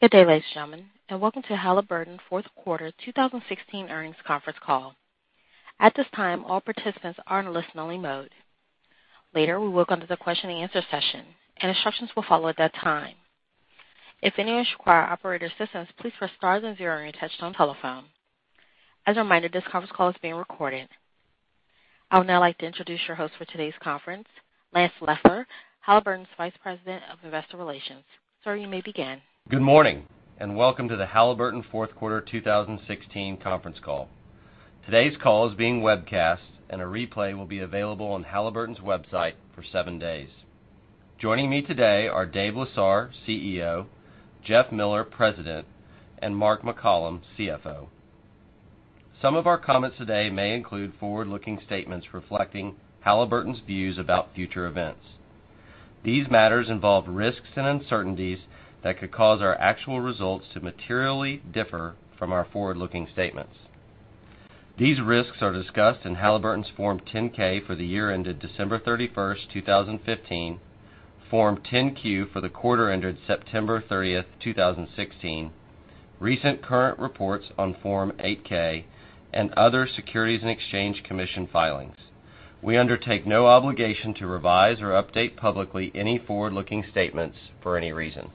Good day, ladies and gentlemen, and welcome to Halliburton's fourth quarter 2016 earnings conference call. At this time, all participants are in listen only mode. Later, we will come to the question and answer session, and instructions will follow at that time. If anyone requires operator assistance, please press star then zero on your touch-tone telephone. As a reminder, this conference call is being recorded. I would now like to introduce your host for today's conference, Lance Loeffler, Halliburton's Vice President of Investor Relations. Sir, you may begin. Good morning, and welcome to the Halliburton fourth quarter 2016 conference call. Today's call is being webcast, and a replay will be available on Halliburton's website for seven days. Joining me today are Dave Lesar, CEO, Jeff Miller, President, and Mark McCollum, CFO. Some of our comments today may include forward-looking statements reflecting Halliburton's views about future events. These matters involve risks and uncertainties that could cause our actual results to materially differ from our forward-looking statements. These risks are discussed in Halliburton's Form 10-K for the year ended December 31st, 2015, Form 10-Q for the quarter ended September 30th, 2016, recent current reports on Form 8-K, and other Securities and Exchange Commission filings. We undertake no obligation to revise or update publicly any forward-looking statements for any reason.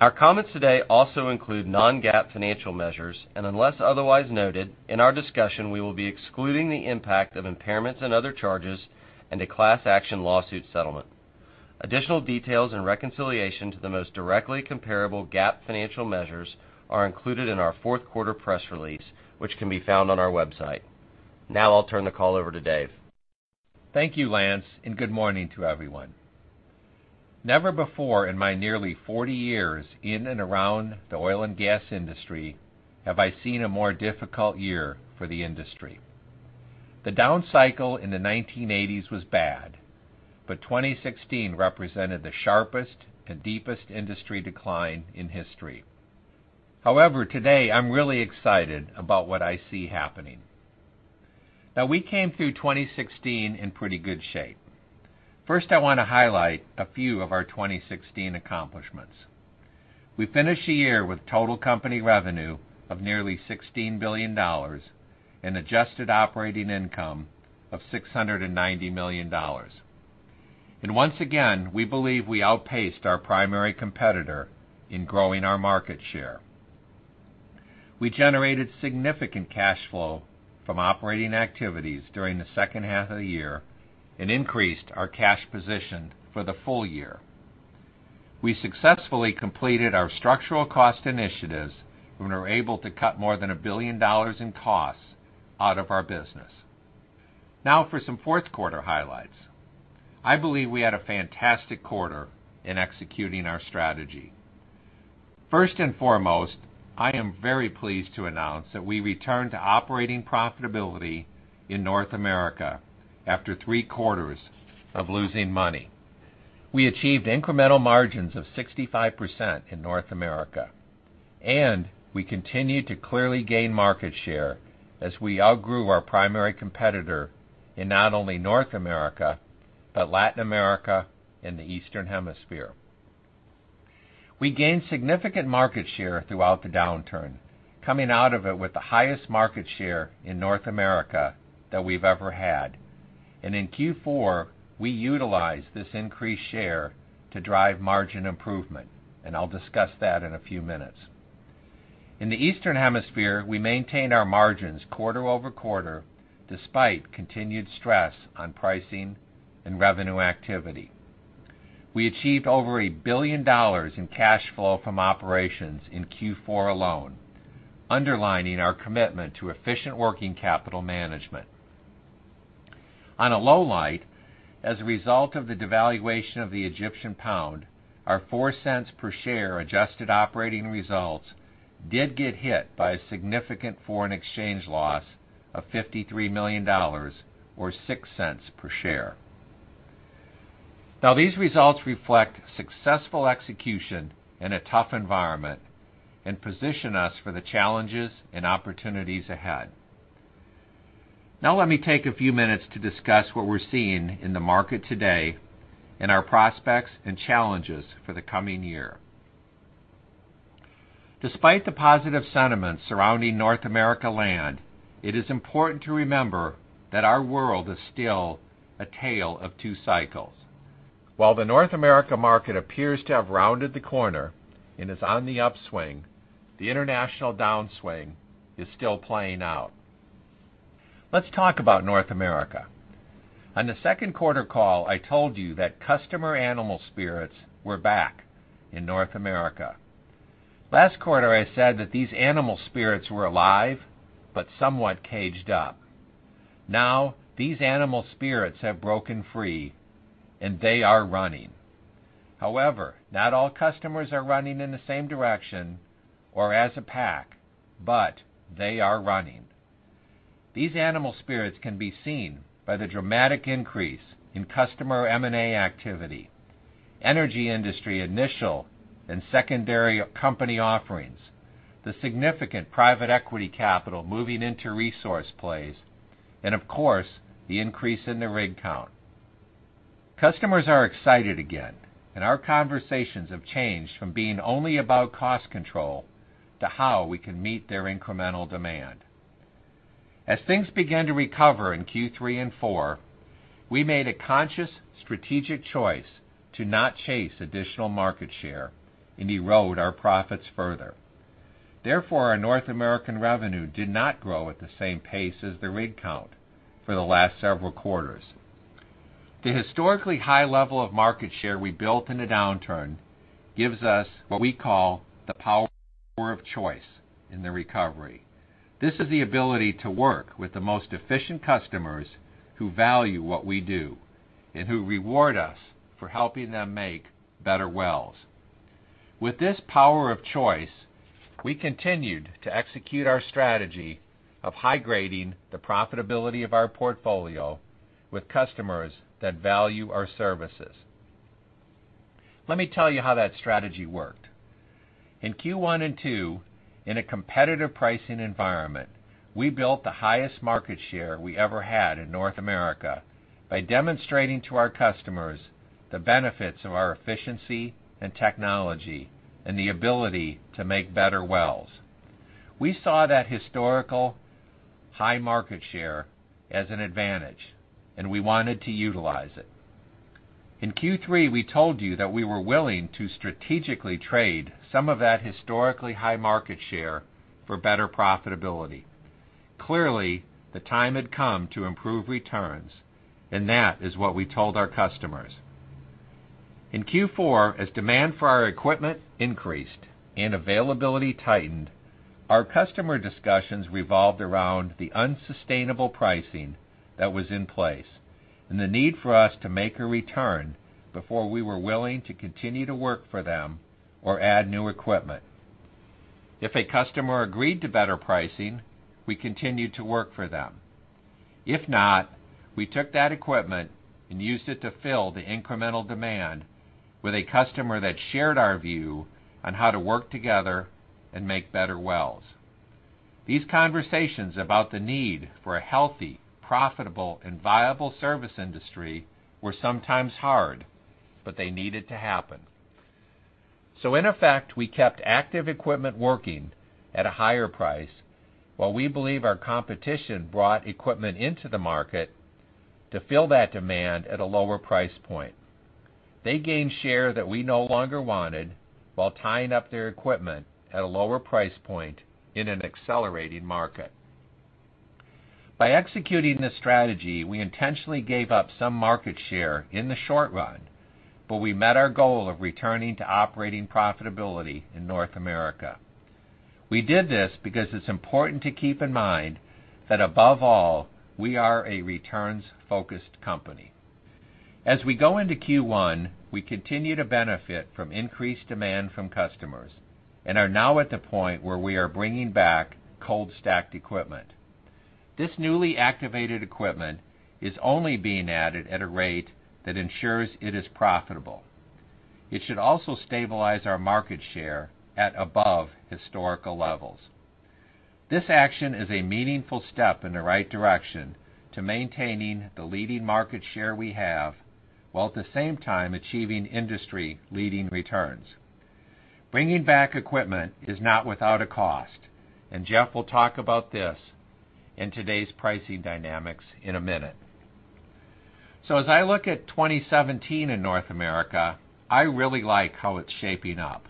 Our comments today also include non-GAAP financial measures, and unless otherwise noted, in our discussion we will be excluding the impact of impairments and other charges and a class action lawsuit settlement. Additional details and reconciliation to the most directly comparable GAAP financial measures are included in our fourth quarter press release, which can be found on our website. Now I'll turn the call over to Dave. Thank you, Lance, and good morning to everyone. Never before in my nearly 40 years in and around the oil and gas industry have I seen a more difficult year for the industry. The down cycle in the 1980s was bad, but 2016 represented the sharpest and deepest industry decline in history. However, today I'm really excited about what I see happening. Now, we came through 2016 in pretty good shape. First, I want to highlight a few of our 2016 accomplishments. We finished the year with total company revenue of nearly $16 billion and adjusted operating income of $690 million. Once again, we believe we outpaced our primary competitor in growing our market share. We generated significant cash flow from operating activities during the second half of the year and increased our cash position for the full year. We successfully completed our structural cost initiatives and were able to cut more than $1 billion in costs out of our business. Now for some fourth quarter highlights. I believe we had a fantastic quarter in executing our strategy. First and foremost, I am very pleased to announce that we returned to operating profitability in North America after three quarters of losing money. We achieved incremental margins of 65% in North America, and we continued to clearly gain market share as we outgrew our primary competitor in not only North America, but Latin America and the Eastern Hemisphere. We gained significant market share throughout the downturn, coming out of it with the highest market share in North America that we've ever had. In Q4, we utilized this increased share to drive margin improvement, and I'll discuss that in a few minutes. In the Eastern Hemisphere, we maintained our margins quarter-over-quarter, despite continued stress on pricing and revenue activity. We achieved over $1 billion in cash flow from operations in Q4 alone, underlining our commitment to efficient working capital management. On a low light, as a result of the devaluation of the Egyptian pound, our $0.04 per share adjusted operating results did get hit by a significant foreign exchange loss of $53 million, or $0.06 per share. These results reflect successful execution in a tough environment and position us for the challenges and opportunities ahead. Let me take a few minutes to discuss what we're seeing in the market today and our prospects and challenges for the coming year. Despite the positive sentiment surrounding North America land, it is important to remember that our world is still a tale of two cycles. While the North America market appears to have rounded the corner and is on the upswing, the international downswing is still playing out. Let's talk about North America. On the second quarter call, I told you that customer animal spirits were back in North America. Last quarter, I said that these animal spirits were alive but somewhat caged up. These animal spirits have broken free, and they are running. Not all customers are running in the same direction or as a pack, but they are running. These animal spirits can be seen by the dramatic increase in customer M&A activity, energy industry initial and secondary company offerings, the significant private equity capital moving into resource plays, of course, the increase in the rig count. Customers are excited again, and our conversations have changed from being only about cost control to how we can meet their incremental demand. Things began to recover in Q3 and Q4, we made a conscious strategic choice to not chase additional market share and erode our profits further. Therefore, our North American revenue did not grow at the same pace as the rig count for the last several quarters. The historically high level of market share we built in the downturn gives us what we call the power of choice in the recovery. This is the ability to work with the most efficient customers who value what we do and who reward us for helping them make better wells. With this power of choice, we continued to execute our strategy of high-grading the profitability of our portfolio with customers that value our services. Let me tell you how that strategy worked. In Q1 and Q2, in a competitive pricing environment, we built the highest market share we ever had in North America by demonstrating to our customers the benefits of our efficiency and technology and the ability to make better wells. We saw that historical high market share as an advantage, and we wanted to utilize it. In Q3, we told you that we were willing to strategically trade some of that historically high market share for better profitability. Clearly, the time had come to improve returns, and that is what we told our customers. In Q4, as demand for our equipment increased and availability tightened, our customer discussions revolved around the unsustainable pricing that was in place and the need for us to make a return before we were willing to continue to work for them or add new equipment. If a customer agreed to better pricing, we continued to work for them. If not, we took that equipment and used it to fill the incremental demand with a customer that shared our view on how to work together and make better wells. These conversations about the need for a healthy, profitable, and viable service industry were sometimes hard, but they needed to happen. In effect, we kept active equipment working at a higher price while we believe our competition brought equipment into the market to fill that demand at a lower price point. They gained share that we no longer wanted while tying up their equipment at a lower price point in an accelerating market. By executing this strategy, we intentionally gave up some market share in the short run, but we met our goal of returning to operating profitability in North America. We did this because it's important to keep in mind that above all, we are a returns-focused company. As we go into Q1, we continue to benefit from increased demand from customers and are now at the point where we are bringing back cold stacked equipment. This newly activated equipment is only being added at a rate that ensures it is profitable. It should also stabilize our market share at above historical levels. This action is a meaningful step in the right direction to maintaining the leading market share we have, while at the same time achieving industry-leading returns. Bringing back equipment is not without a cost, and Jeff will talk about this and today's pricing dynamics in a minute. As I look at 2017 in North America, I really like how it's shaping up.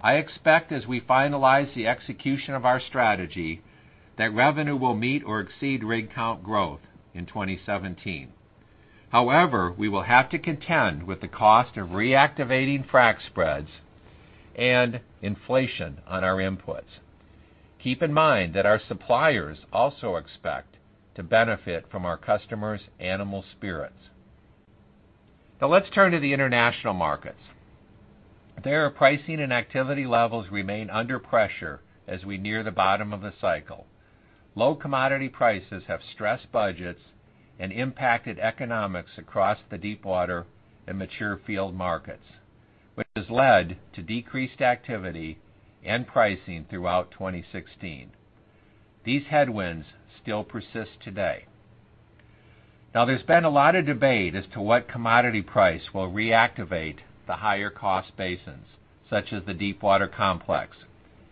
I expect as we finalize the execution of our strategy, that revenue will meet or exceed rig count growth in 2017. However, we will have to contend with the cost of reactivating frac spreads and inflation on our inputs. Keep in mind that our suppliers also expect to benefit from our customers' animal spirits. Let's turn to the international markets. There, pricing and activity levels remain under pressure as we near the bottom of the cycle. Low commodity prices have stressed budgets and impacted economics across the deepwater and mature field markets, which has led to decreased activity and pricing throughout 2016. These headwinds still persist today. There's been a lot of debate as to what commodity price will reactivate the higher cost basins, such as the deepwater complex.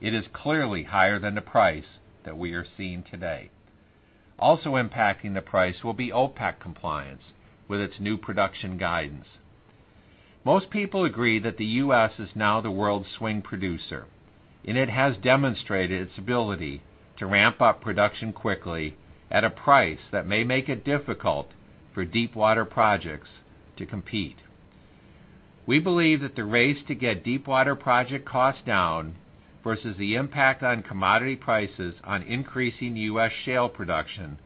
It is clearly higher than the price that we are seeing today. Also impacting the price will be OPEC compliance with its new production guidance. Most people agree that the U.S. is now the world's swing producer, and it has demonstrated its ability to ramp up production quickly at a price that may make it difficult for deepwater projects to compete. We believe that the race to get deepwater project costs down versus the impact on commodity prices on increasing U.S. shale production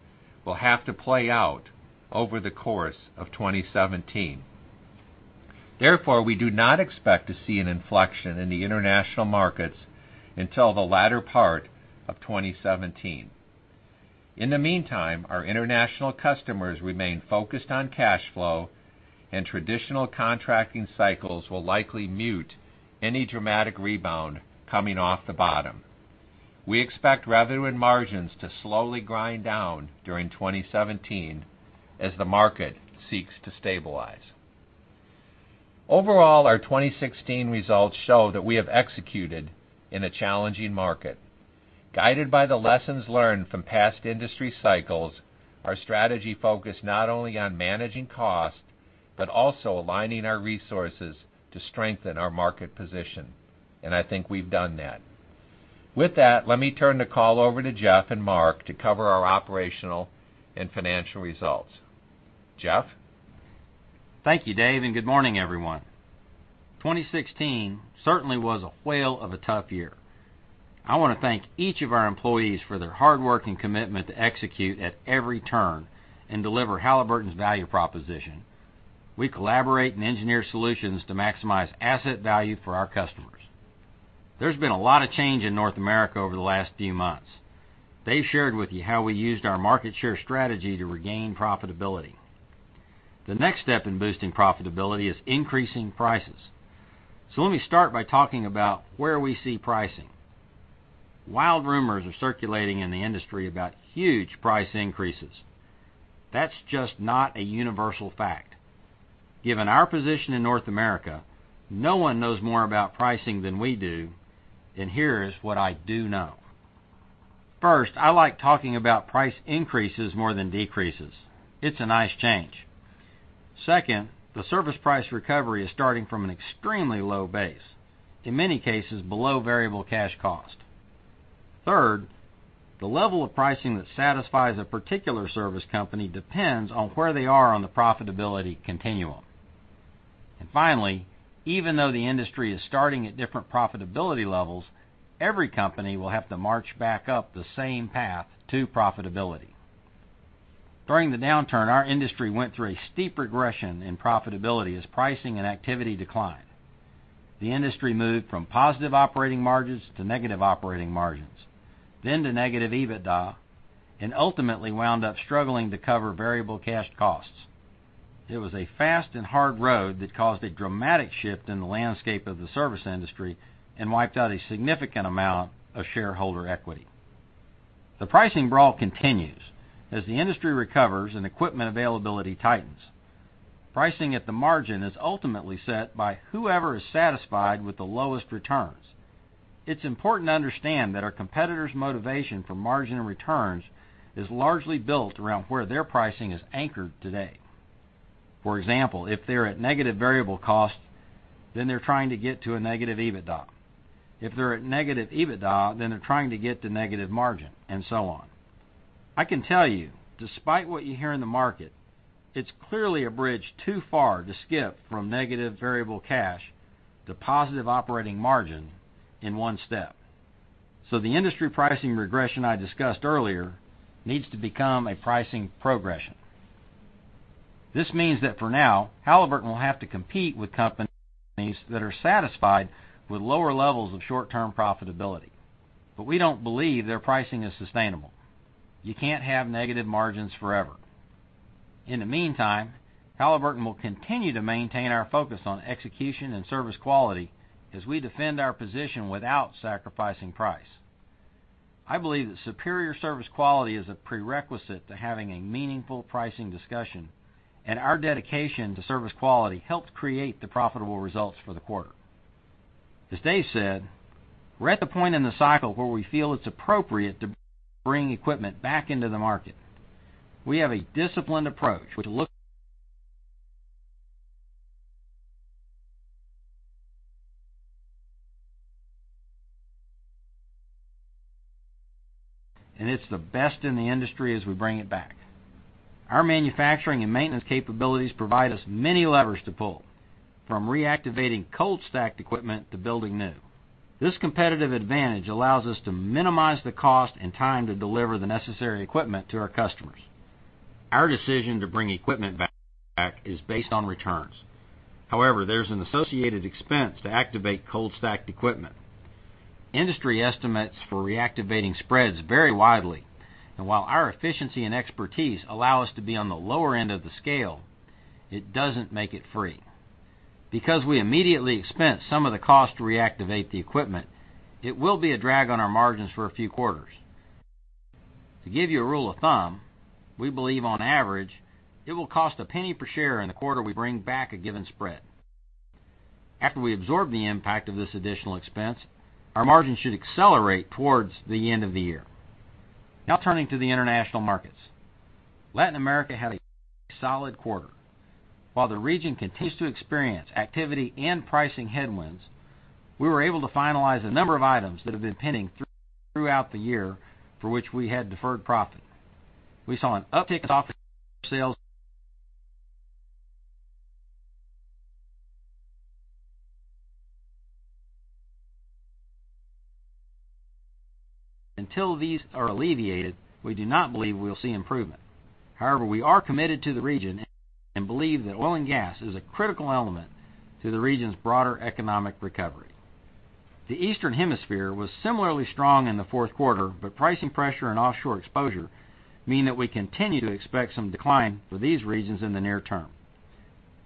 will have to play out over the course of 2017. We do not expect to see an inflection in the international markets until the latter part of 2017. In the meantime, our international customers remain focused on cash flow, and traditional contracting cycles will likely mute any dramatic rebound coming off the bottom. We expect revenue and margins to slowly grind down during 2017 as the market seeks to stabilize. Overall, our 2016 results show that we have executed in a challenging market. Guided by the lessons learned from past industry cycles, our strategy focused not only on managing cost but also aligning our resources to strengthen our market position, and I think we've done that. With that, let me turn the call over to Jeff and Mark to cover our operational and financial results. Jeff? Thank you, Dave, and good morning, everyone. 2016 certainly was a whale of a tough year. I want to thank each of our employees for their hard work and commitment to execute at every turn and deliver Halliburton's value proposition. We collaborate and engineer solutions to maximize asset value for our customers. There's been a lot of change in North America over the last few months. Dave shared with you how we used our market share strategy to regain profitability. The next step in boosting profitability is increasing prices. Let me start by talking about where we see pricing. Wild rumors are circulating in the industry about huge price increases. That's just not a universal fact. Given our position in North America, no one knows more about pricing than we do, and here is what I do know. First, I like talking about price increases more than decreases. It's a nice change. Second, the service price recovery is starting from an extremely low base, in many cases below variable cash cost. Third, the level of pricing that satisfies a particular service company depends on where they are on the profitability continuum. Finally, even though the industry is starting at different profitability levels, every company will have to march back up the same path to profitability. During the downturn, our industry went through a steep regression in profitability as pricing and activity declined. The industry moved from positive operating margins to negative operating margins, then to negative EBITDA, and ultimately wound up struggling to cover variable cash costs. It was a fast and hard road that caused a dramatic shift in the landscape of the service industry and wiped out a significant amount of shareholder equity. The pricing brawl continues as the industry recovers and equipment availability tightens. Pricing at the margin is ultimately set by whoever is satisfied with the lowest returns. It's important to understand that our competitors' motivation for margin and returns is largely built around where their pricing is anchored today. For example, if they're at negative variable cost, then they're trying to get to a negative EBITDA. If they're at negative EBITDA, then they're trying to get to negative margin, and so on. I can tell you, despite what you hear in the market, it's clearly a bridge too far to skip from negative variable cash to positive operating margin in one step. The industry pricing regression I discussed earlier needs to become a pricing progression. This means that for now, Halliburton will have to compete with companies that are satisfied with lower levels of short-term profitability. We don't believe their pricing is sustainable. You can't have negative margins forever. In the meantime, Halliburton will continue to maintain our focus on execution and service quality as we defend our position without sacrificing price. I believe that superior service quality is a prerequisite to having a meaningful pricing discussion, and our dedication to service quality helped create the profitable results for the quarter. As Dave said, we're at the point in the cycle where we feel it's appropriate to bring equipment back into the market. We have a disciplined approach, which looks and it's the best in the industry as we bring it back. Our manufacturing and maintenance capabilities provide us many levers to pull, from reactivating cold stacked equipment to building new. This competitive advantage allows us to minimize the cost and time to deliver the necessary equipment to our customers. Our decision to bring equipment back is based on returns. There's an associated expense to activate cold stacked equipment. Industry estimates for reactivating spreads vary widely, and while our efficiency and expertise allow us to be on the lower end of the scale, it doesn't make it free. Because we immediately expense some of the cost to reactivate the equipment, it will be a drag on our margins for a few quarters. To give you a rule of thumb, we believe on average, it will cost $0.01 per share in the quarter we bring back a given spread. After we absorb the impact of this additional expense, our margins should accelerate towards the end of the year. Turning to the international markets. Latin America had a solid quarter. While the region continues to experience activity and pricing headwinds, we were able to finalize a number of items that have been pending throughout the year for which we had deferred profit. We saw an uptick in software sales. Until these are alleviated, we do not believe we'll see improvement. We are committed to the region and believe that oil and gas is a critical element to the region's broader economic recovery. The Eastern Hemisphere was similarly strong in the fourth quarter, pricing pressure and offshore exposure mean that we continue to expect some decline for these regions in the near term.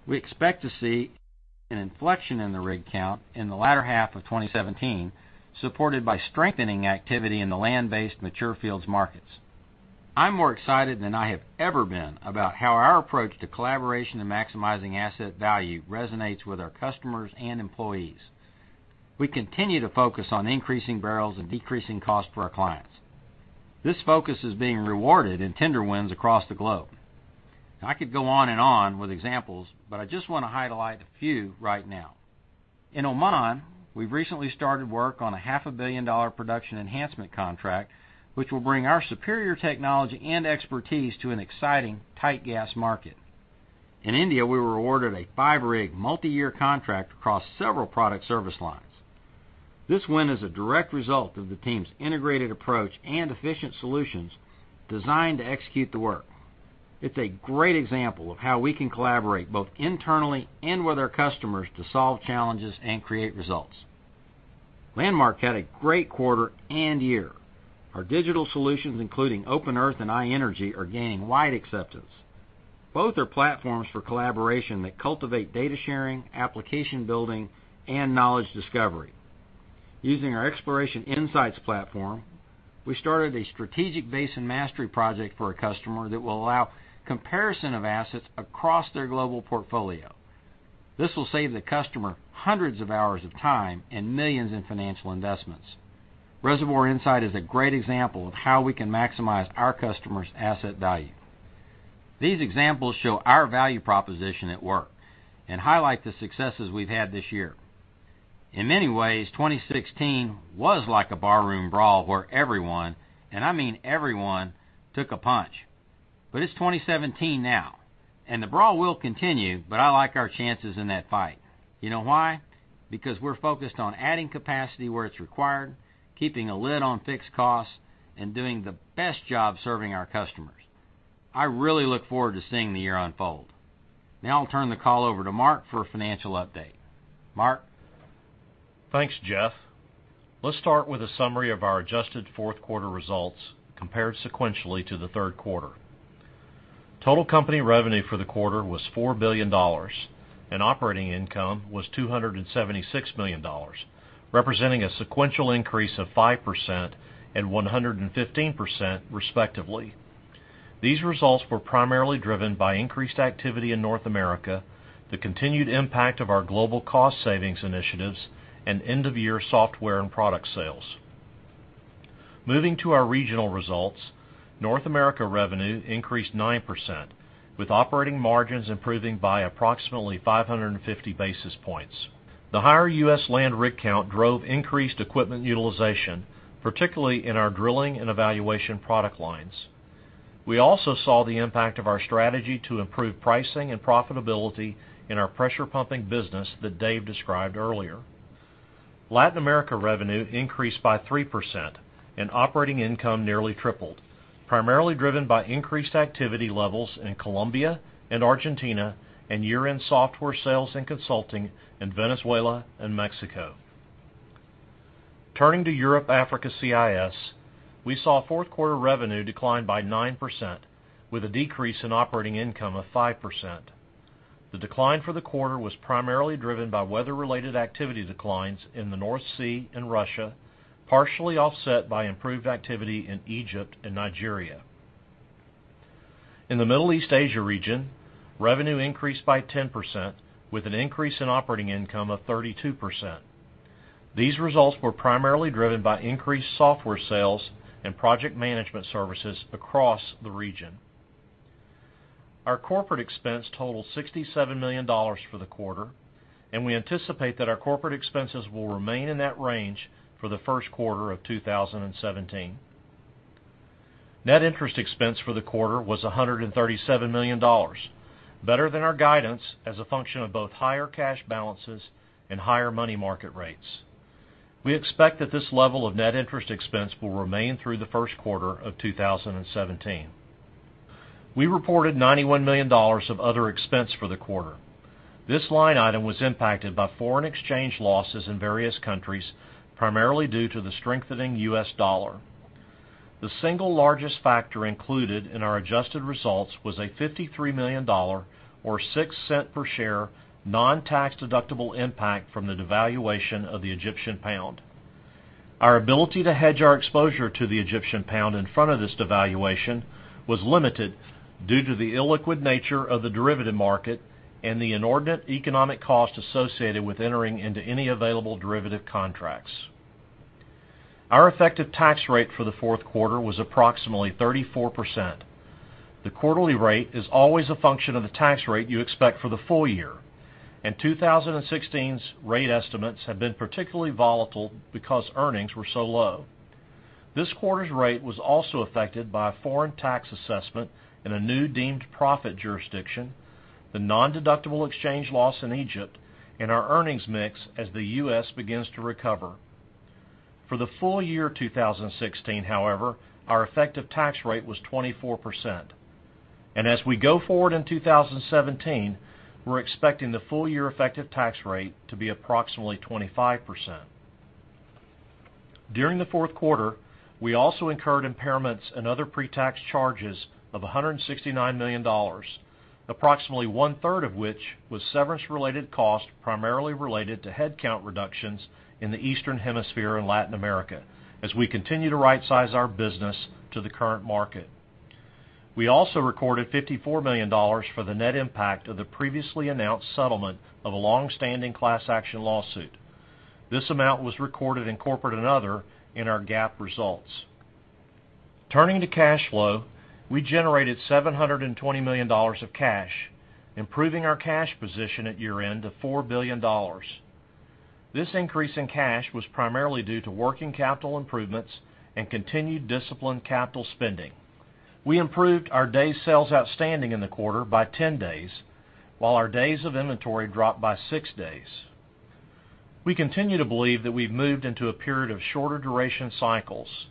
We expect to see an inflection in the rig count in the latter half of 2017, supported by strengthening activity in the land-based mature fields markets. I'm more excited than I have ever been about how our approach to collaboration and maximizing asset value resonates with our customers and employees. We continue to focus on increasing barrels and decreasing costs for our clients. This focus is being rewarded in tender wins across the globe. I could go on and on with examples, but I just want to highlight a few right now. In Oman, we've recently started work on a half a billion dollar production enhancement contract, which will bring our superior technology and expertise to an exciting tight gas market. In India, we were awarded a five-rig, multi-year contract across several product service lines. This win is a direct result of the team's integrated approach and efficient solutions designed to execute the work. It's a great example of how we can collaborate both internally and with our customers to solve challenges and create results. Landmark had a great quarter and year. Our digital solutions, including OpenEarth and iEnergy, are gaining wide acceptance. Both are platforms for collaboration that cultivate data sharing, application building, and knowledge discovery. Using our Exploration Insights platform, we started a strategic basin mastery project for a customer that will allow comparison of assets across their global portfolio. This will save the customer hundreds of hours of time and millions in financial investments. Reservoir Xaminer is a great example of how we can maximize our customers' asset value. These examples show our value proposition at work and highlight the successes we've had this year. In many ways, 2016 was like a barroom brawl where everyone, and I mean everyone, took a punch. It's 2017 now, the brawl will continue, I like our chances in that fight. You know why? We're focused on adding capacity where it's required, keeping a lid on fixed costs, and doing the best job serving our customers. I really look forward to seeing the year unfold. Now I'll turn the call over to Mark for a financial update. Mark? Thanks, Jeff. Let's start with a summary of our adjusted fourth quarter results compared sequentially to the third quarter. Total company revenue for the quarter was $4 billion, and operating income was $276 million, representing a sequential increase of 5% and 115%, respectively. These results were primarily driven by increased activity in North America, the continued impact of our global cost savings initiatives, and end-of-year software and product sales. Moving to our regional results, North America revenue increased 9%, with operating margins improving by approximately 550 basis points. The higher U.S. land rig count drove increased equipment utilization, particularly in our drilling and evaluation product lines. We also saw the impact of our strategy to improve pricing and profitability in our pressure pumping business that Dave described earlier. Latin America revenue increased by 3%, operating income nearly tripled, primarily driven by increased activity levels in Colombia and Argentina and year-end software sales and consulting in Venezuela and Mexico. Turning to Europe Africa CIS, we saw fourth quarter revenue decline by 9%, with a decrease in operating income of 5%. The decline for the quarter was primarily driven by weather-related activity declines in the North Sea and Russia, partially offset by improved activity in Egypt and Nigeria. In the Middle East Asia region, revenue increased by 10%, with an increase in operating income of 32%. These results were primarily driven by increased software sales and project management services across the region. Our corporate expense totaled $67 million for the quarter, and we anticipate that our corporate expenses will remain in that range for the first quarter of 2017. Net interest expense for the quarter was $137 million, better than our guidance as a function of both higher cash balances and higher money market rates. We expect that this level of net interest expense will remain through the first quarter of 2017. We reported $91 million of other expense for the quarter. This line item was impacted by foreign exchange losses in various countries, primarily due to the strengthening U.S. dollar. The single largest factor included in our adjusted results was a $53 million, or $0.06 per share, non-tax deductible impact from the devaluation of the Egyptian pound. Our ability to hedge our exposure to the Egyptian pound in front of this devaluation was limited due to the illiquid nature of the derivative market and the inordinate economic cost associated with entering into any available derivative contracts. Our effective tax rate for the fourth quarter was approximately 34%. The quarterly rate is always a function of the tax rate you expect for the full year. 2016's rate estimates have been particularly volatile because earnings were so low. This quarter's rate was also affected by a foreign tax assessment in a new deemed profit jurisdiction, the non-deductible exchange loss in Egypt, and our earnings mix as the U.S. begins to recover. For the full year 2016, however, our effective tax rate was 24%. As we go forward in 2017, we're expecting the full year effective tax rate to be approximately 25%. During the fourth quarter, we also incurred impairments and other pre-tax charges of $169 million, approximately one-third of which was severance related costs primarily related to headcount reductions in the Eastern Hemisphere and Latin America as we continue to right-size our business to the current market. We also recorded $54 million for the net impact of the previously announced settlement of a longstanding class action lawsuit. This amount was recorded in corporate and other in our GAAP results. Turning to cash flow, we generated $720 million of cash, improving our cash position at year-end to $4 billion. This increase in cash was primarily due to working capital improvements and continued disciplined capital spending. We improved our days sales outstanding in the quarter by 10 days, while our days of inventory dropped by six days. We continue to believe that we've moved into a period of shorter duration cycles,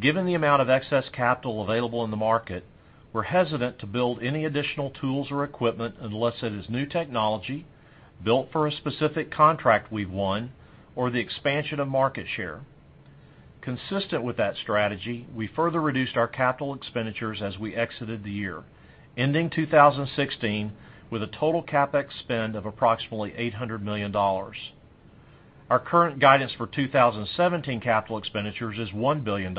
given the amount of excess capital available in the market, we're hesitant to build any additional tools or equipment unless it is new technology built for a specific contract we've won or the expansion of market share. Consistent with that strategy, we further reduced our capital expenditures as we exited the year, ending 2016 with a total CapEx spend of approximately $800 million. Our current guidance for 2017 capital expenditures is $1 billion.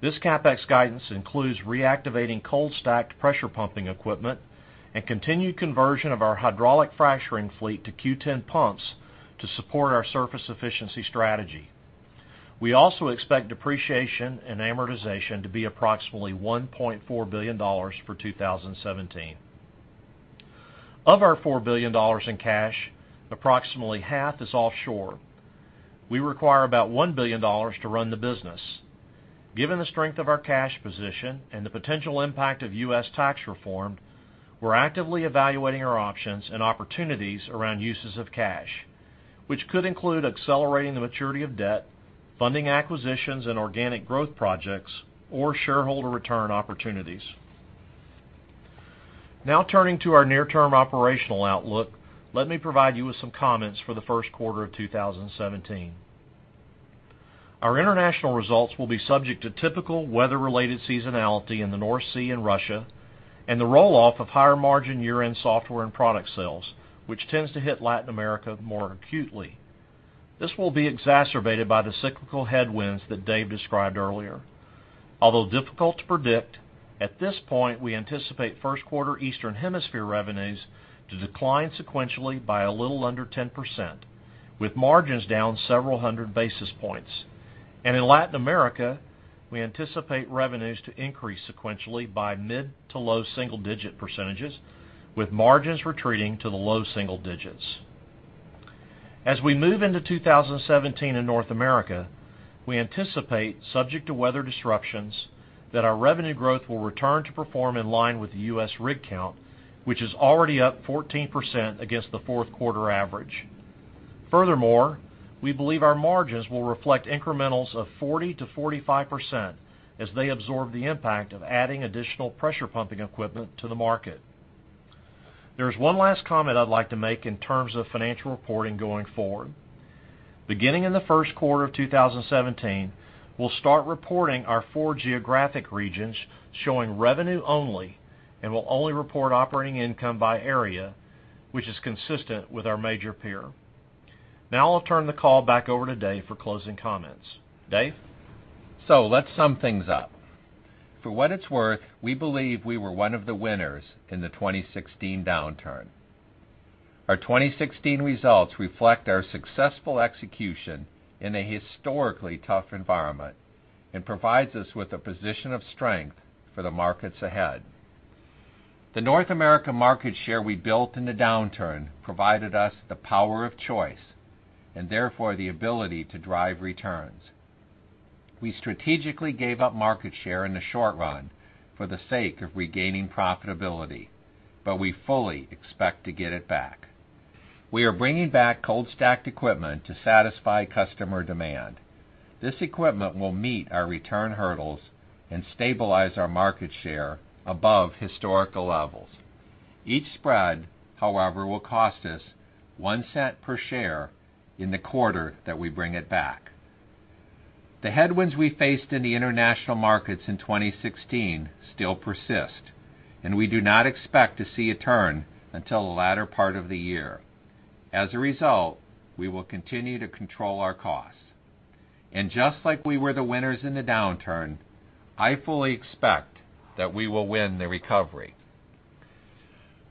This CapEx guidance includes reactivating cold stacked pressure pumping equipment and continued conversion of our hydraulic fracturing fleet to Q10 pumps to support our surface efficiency strategy. We also expect depreciation and amortization to be approximately $1.4 billion for 2017. Of our $4 billion in cash, approximately half is offshore. We require about $1 billion to run the business. Given the strength of our cash position and the potential impact of U.S. tax reform, we're actively evaluating our options and opportunities around uses of cash, which could include accelerating the maturity of debt, funding acquisitions and organic growth projects, or shareholder return opportunities. Now turning to our near-term operational outlook, let me provide you with some comments for the first quarter of 2017. Our international results will be subject to typical weather-related seasonality in the North Sea and Russia, and the roll-off of higher margin year-end software and product sales, which tends to hit Latin America more acutely. This will be exacerbated by the cyclical headwinds that Dave described earlier. Although difficult to predict, at this point, we anticipate first quarter Eastern Hemisphere revenues to decline sequentially by a little under 10%, with margins down several hundred basis points. In Latin America, we anticipate revenues to increase sequentially by mid to low single-digit percentages, with margins retreating to the low single-digits. As we move into 2017 in North America, we anticipate, subject to weather disruptions, that our revenue growth will return to perform in line with the U.S. rig count, which is already up 14% against the fourth quarter average. Furthermore, we believe our margins will reflect incrementals of 40%-45% as they absorb the impact of adding additional pressure pumping equipment to the market. There is one last comment I'd like to make in terms of financial reporting going forward. Beginning in the first quarter of 2017, we'll start reporting our four geographic regions showing revenue only and will only report operating income by area, which is consistent with our major peer. Now I'll turn the call back over to Dave for closing comments. Dave? Let's sum things up. For what it's worth, we believe we were one of the winners in the 2016 downturn. Our 2016 results reflect our successful execution in a historically tough environment and provides us with a position of strength for the markets ahead. The North America market share we built in the downturn provided us the power of choice and therefore the ability to drive returns. We strategically gave up market share in the short run for the sake of regaining profitability, but we fully expect to get it back. We are bringing back cold stacked equipment to satisfy customer demand. This equipment will meet our return hurdles and stabilize our market share above historical levels. Each spread, however, will cost us $0.01 per share in the quarter that we bring it back. The headwinds we faced in the international markets in 2016 still persist. We do not expect to see a turn until the latter part of the year. As a result, we will continue to control our costs. Just like we were the winners in the downturn, I fully expect that we will win the recovery.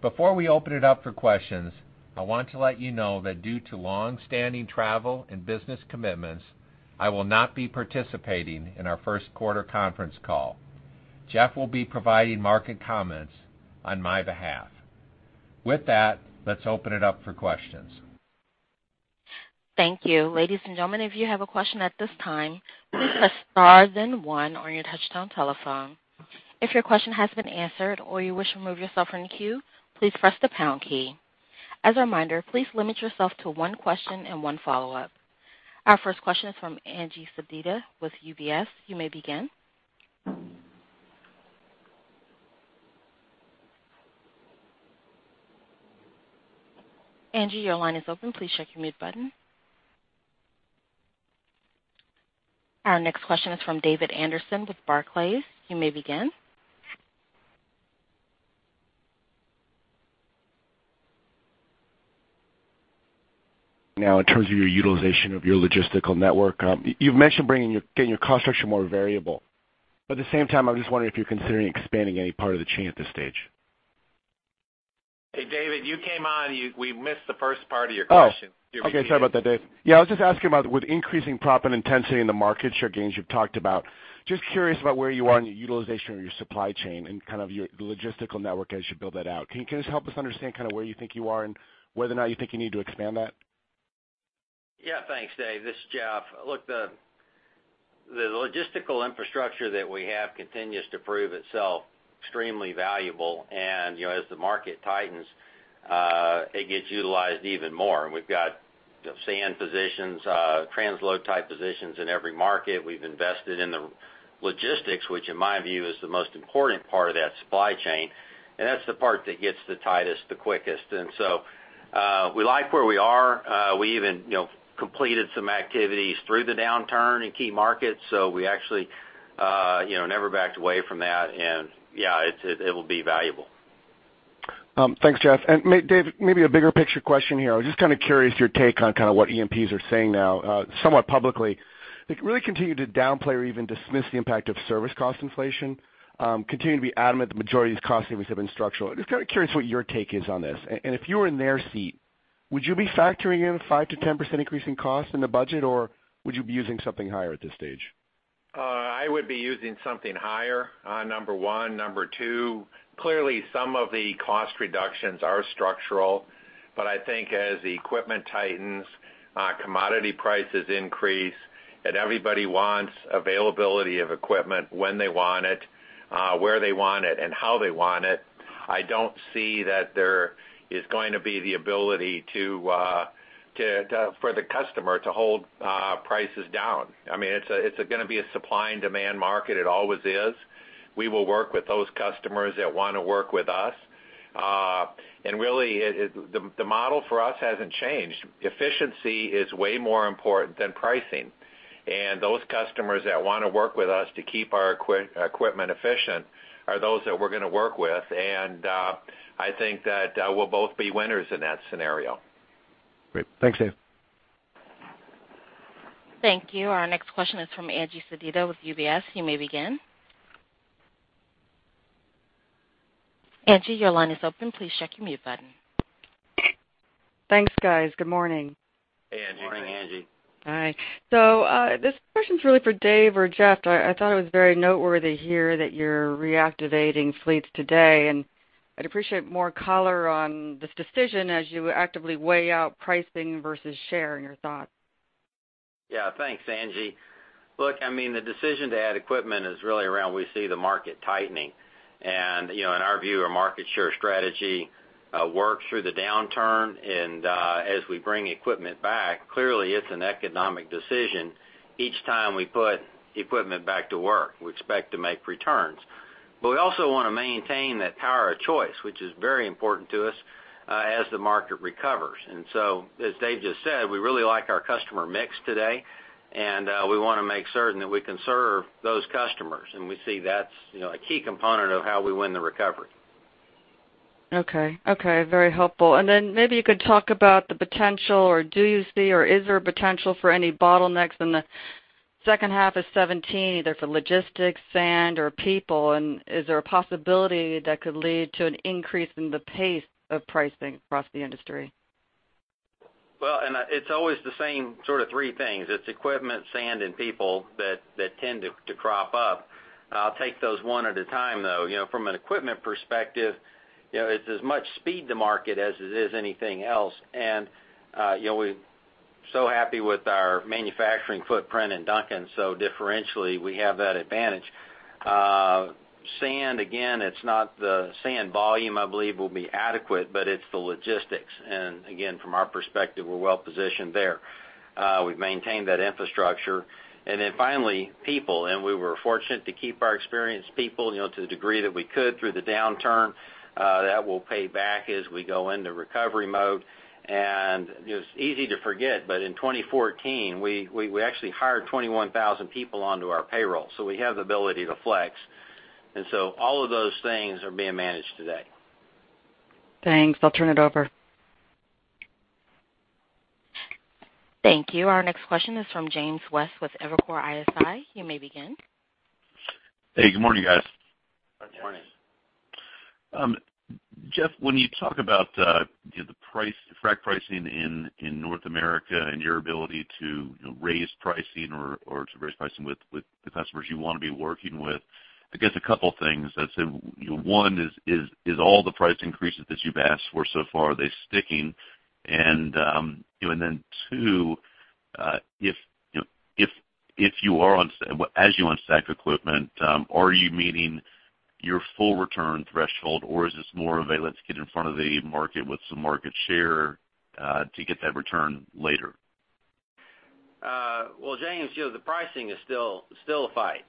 Before we open it up for questions, I want to let you know that due to longstanding travel and business commitments, I will not be participating in our first quarter conference call. Jeff will be providing market comments on my behalf. With that, let's open it up for questions. Thank you. Ladies and gentlemen, if you have a question at this time, please press star then one on your touchtone telephone. If your question has been answered or you wish to remove yourself from the queue, please press the pound key. As a reminder, please limit yourself to one question and one follow-up. Our first question is from Angie Sedita with UBS. You may begin. Angie, your line is open. Please check your mute button. Our next question is from David Anderson with Barclays. You may begin. In terms of your utilization of your logistical network, you've mentioned getting your cost structure more variable. At the same time, I'm just wondering if you're considering expanding any part of the chain at this stage. Hey, David, you came on. We missed the first part of your question. Do you want me to- Okay. Sorry about that, Dave. I was just asking about with increasing profit intensity in the market share gains you've talked about, just curious about where you are in the utilization of your supply chain and your logistical network as you build that out. Can you just help us understand where you think you are and whether or not you think you need to expand that? Thanks, Dave. This is Jeff. Look, the logistical infrastructure that we have continues to prove itself extremely valuable. As the market tightens, it gets utilized even more. We've got sand positions, transload type positions in every market. We've invested in the logistics, which in my view, is the most important part of that supply chain, and that's the part that gets the tightest the quickest. We like where we are. We even completed some activities through the downturn in key markets. We actually never backed away from that. Yeah, it will be valuable. Thanks, Jeff. Dave, maybe a bigger picture question here. I was just kind of curious your take on kind of what E&Ps are saying now, somewhat publicly. They really continue to downplay or even dismiss the impact of service cost inflation, continue to be adamant the majority of these cost savings have been structural. Just kind of curious what your take is on this. If you were in their seat, would you be factoring in 5%-10% increase in cost in the budget, or would you be using something higher at this stage? I would be using something higher, number one. Number two, clearly, some of the cost reductions are structural, but I think as the equipment tightens, commodity prices increase, and everybody wants availability of equipment when they want it, where they want it, and how they want it. I don't see that there is going to be the ability for the customer to hold prices down. It's going to be a supply and demand market. It always is. We will work with those customers that want to work with us. Really, the model for us hasn't changed. Efficiency is way more important than pricing. Those customers that want to work with us to keep our equipment efficient are those that we're going to work with. I think that we'll both be winners in that scenario. Great. Thanks, Dave. Thank you. Our next question is from Angie Sedita with UBS. You may begin. Angie, your line is open. Please check your mute button. Thanks, guys. Good morning. Hey, Angie. Good morning. Good morning, Angie. Hi. This question's really for Dave or Jeff. I thought it was very noteworthy here that you're reactivating fleets today, and I'd appreciate more color on this decision as you actively weigh out pricing versus share and your thoughts. Yeah. Thanks, Angie. Look, the decision to add equipment is really around we see the market tightening. In our view, our market share strategy works through the downturn, and as we bring equipment back, clearly it's an economic decision each time we put equipment back to work. We expect to make returns. We also want to maintain that power of choice, which is very important to us, as the market recovers. As Dave just said, we really like our customer mix today, and we want to make certain that we can serve those customers. We see that's a key component of how we win the recovery. Okay. Very helpful. Then maybe you could talk about the potential, or do you see, or is there a potential for any bottlenecks in the second half of 2017, either for logistics, sand, or people? Is there a possibility that could lead to an increase in the pace of pricing across the industry? Well, it's always the same sort of three things. It's equipment, sand, and people that tend to crop up. I'll take those one at a time, though. From an equipment perspective, it's as much speed to market as it is anything else. We're so happy with our manufacturing footprint in Duncan, differentially, we have that advantage. Sand, again, it's not the sand volume I believe will be adequate, but it's the logistics. Again, from our perspective, we're well-positioned there. We've maintained that infrastructure. Then finally, people. We were fortunate to keep our experienced people to the degree that we could through the downturn. That will pay back as we go into recovery mode. It's easy to forget, but in 2014, we actually hired 21,000 people onto our payroll, we have the ability to flex. All of those things are being managed today. Thanks. I'll turn it over. Thank you. Our next question is from James West with Evercore ISI. You may begin. Hey, good morning, guys. Good morning. Jeff, when you talk about the frac pricing in North America and your ability to raise pricing or to raise pricing with the customers you want to be working with, I guess a couple things. One is all the price increases that you've asked for so far, are they sticking? Two, as you unstack equipment, are you meeting your full return threshold, or is this more of a let's get in front of the market with some market share to get that return later? Well, James, the pricing is still a fight.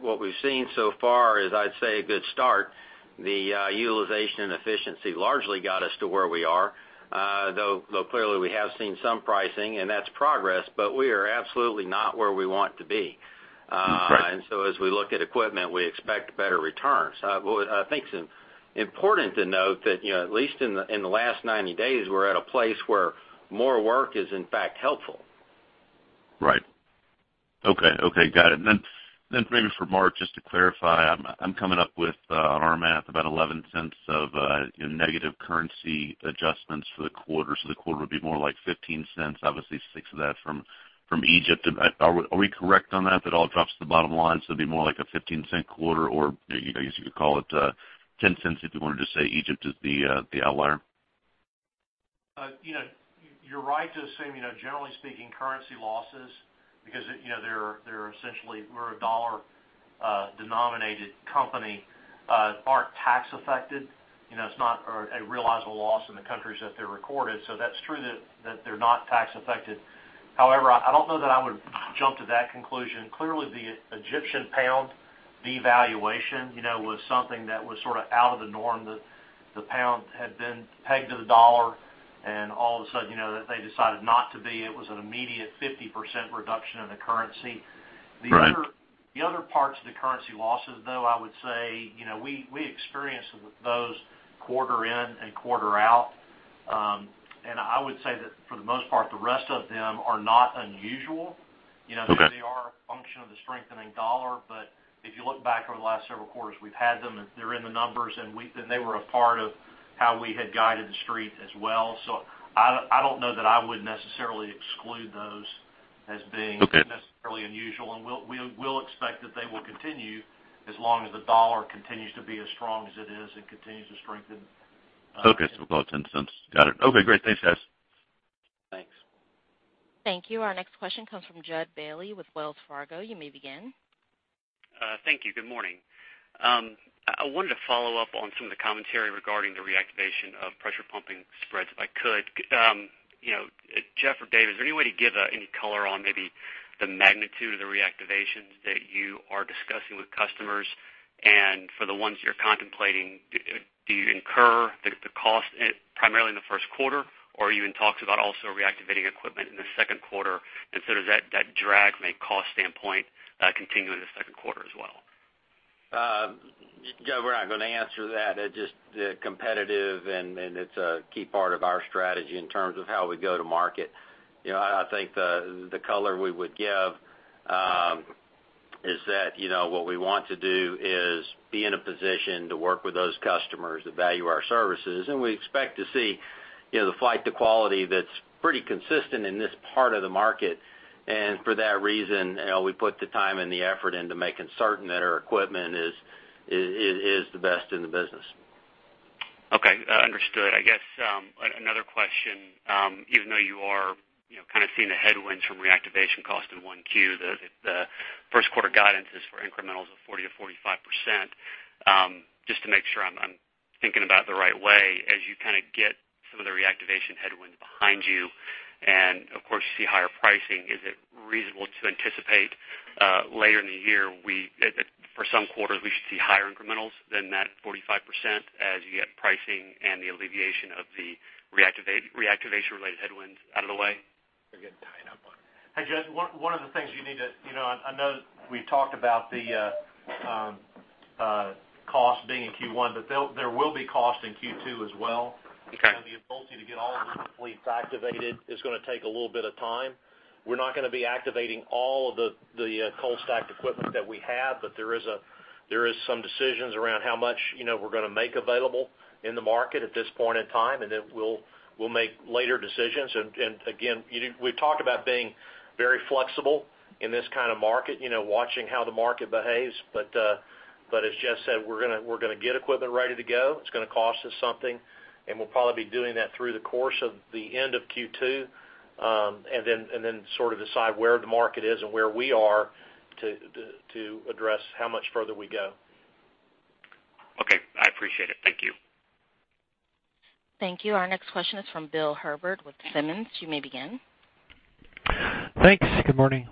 What we've seen so far is, I'd say, a good start. The utilization and efficiency largely got us to where we are, though clearly we have seen some pricing, and that's progress, but we are absolutely not where we want to be. Right. As we look at equipment, we expect better returns. I think it's important to note that, at least in the last 90 days, we're at a place where more work is, in fact, helpful. Right. Okay. Got it. Maybe for Mark, just to clarify, I'm coming up with, on our math, about $0.11 of negative currency adjustments for the quarter. The quarter would be more like $0.15, obviously six of that from Egypt. Are we correct on that it all drops to the bottom line, so it'd be more like a $0.15 quarter, or I guess you could call it $0.10 if you wanted to say Egypt is the outlier? You're right to assume, generally speaking, currency losses, because we're a dollar-denominated company, aren't tax affected. It's not a realizable loss in the countries that they're recorded. That's true that they're not tax affected. However, I don't know that I would jump to that conclusion. Clearly, the Egyptian pound devaluation was something that was sort of out of the norm, that the pound had been pegged to the dollar, and all of a sudden, they decided not to be. It was an immediate 50% reduction in the currency. Right. The other parts of the currency losses, though, I would say we experience those quarter in and quarter out. I would say that for the most part, the rest of them are not unusual. Okay. They are a function of the strengthening dollar. If you look back over the last several quarters, we've had them, and they're in the numbers, and they were a part of how we had guided the street as well. I don't know that I would necessarily exclude those. Okay We'll expect that they will continue as long as the dollar continues to be as strong as it is and continues to strengthen. Okay. About $0.10. Got it. Okay, great. Thanks, guys. Thanks. Thank you. Our next question comes from Judd Bailey with Wells Fargo. You may begin. Thank you. Good morning. I wanted to follow up on some of the commentary regarding the reactivation of pressure pumping spreads, if I could. Jeff or Dave, is there any way to give any color on maybe the magnitude of the reactivations that you are discussing with customers? For the ones you're contemplating, do you incur the cost primarily in the first quarter, or are you in talks about also reactivating equipment in the second quarter? Does that drag make cost standpoint continue into the second quarter as well? Judd, we're not going to answer that. It's just competitive, it's a key part of our strategy in terms of how we go to market. I think the color we would give is that what we want to do is be in a position to work with those customers that value our services, and we expect to see the flight to quality that's pretty consistent in this part of the market. For that reason, we put the time and the effort into making certain that our equipment is the best in the business. Okay. Understood. I guess, another question. Even though you are kind of seeing the headwinds from reactivation cost in 1Q, the first-quarter guidance is for incrementals of 40%-45%. Just to make sure I'm thinking about it the right way, as you kind of get some of the reactivation headwinds behind you, of course, you see higher pricing, is it reasonable to anticipate later in the year, for some quarters, we should see higher incrementals than that 45% as you get pricing and the alleviation of the reactivation-related headwinds out of the way? We're getting tied up on. Hey, Judd. I know we talked about the cost being in Q1. There will be cost in Q2 as well. Okay. The ability to get all of the fleets activated is going to take a little bit of time. We're not going to be activating all of the cold stacked equipment that we have. There is some decisions around how much we're going to make available in the market at this point in time. Then we'll make later decisions. Again, we've talked about being very flexible in this kind of market, watching how the market behaves. As Jeff said, we're going to get equipment ready to go. It's going to cost us something, and we'll probably be doing that through the course of the end of Q2. Then sort of decide where the market is and where we are to address how much further we go. Okay. I appreciate it. Thank you. Thank you. Our next question is from Bill Herbert with Simmons. You may begin. Thanks. Good morning.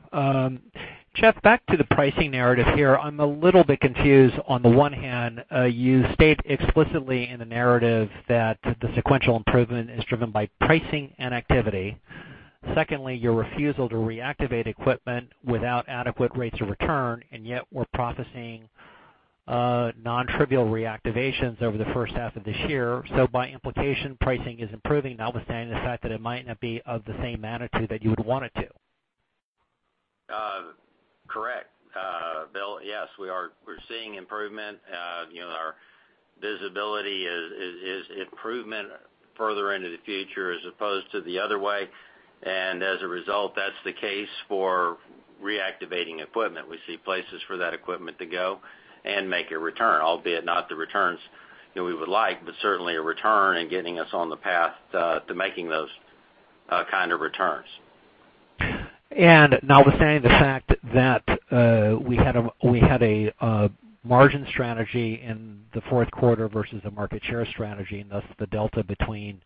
Jeff, back to the pricing narrative here. I'm a little bit confused. On the one hand, you state explicitly in the narrative that the sequential improvement is driven by pricing and activity. Secondly, your refusal to reactivate equipment without adequate rates of return, and yet we're processing non-trivial reactivations over the first half of this year. By implication, pricing is improving, notwithstanding the fact that it might not be of the same magnitude that you would want it to. Correct. Bill, yes, we're seeing improvement. Our visibility is improvement further into the future as opposed to the other way, and as a result, that's the case for reactivating equipment. We see places for that equipment to go and make a return, albeit not the returns that we would like, but certainly a return and getting us on the path to making those kind of returns. Notwithstanding the fact that we had a margin strategy in the fourth quarter versus a market share strategy, and thus the delta between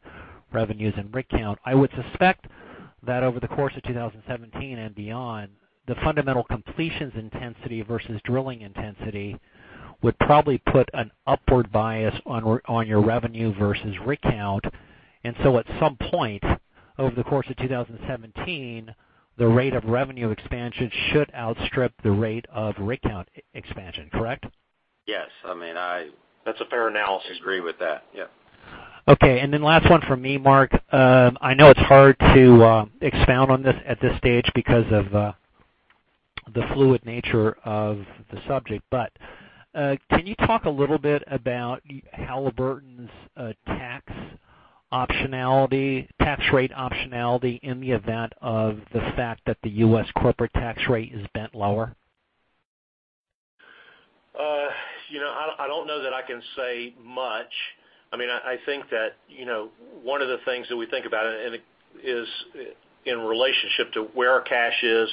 revenues and rig count, I would suspect that over the course of 2017 and beyond, the fundamental completions intensity versus drilling intensity would probably put an upward bias on your revenue versus rig count. At some point over the course of 2017, the rate of revenue expansion should outstrip the rate of rig count expansion, correct? Yes. That's a fair analysis. I agree with that. Yep. Okay, last one from me, Mark. I know it's hard to expound on this at this stage because of the fluid nature of the subject, but can you talk a little bit about Halliburton's tax rate optionality in the event of the fact that the U.S. corporate tax rate is bent lower? I don't know that I can say much. I think that one of the things that we think about is in relationship to where our cash is,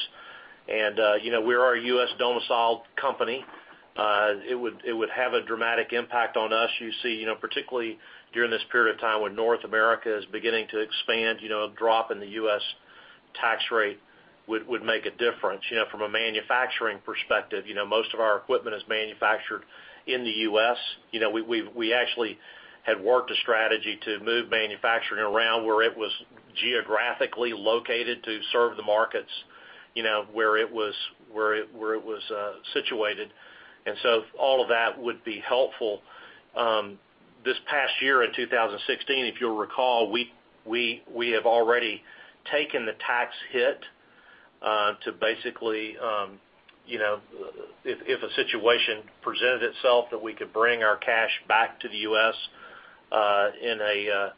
we are a U.S. domiciled company. It would have a dramatic impact on us. You see, particularly during this period of time when North America is beginning to expand, a drop in the U.S. tax rate would make a difference. From a manufacturing perspective, most of our equipment is manufactured in the U.S. We actually had worked a strategy to move manufacturing around where it was geographically located to serve the markets where it was situated, all of that would be helpful. This past year in 2016, if you'll recall, we have already taken the tax hit to basically, if a situation presented itself that we could bring our cash back to the U.S. in a